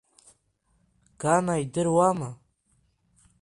Гана идыруама?